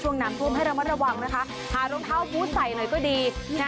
น้ำท่วมให้ระมัดระวังนะคะหารองเท้าบูธใส่หน่อยก็ดีนะ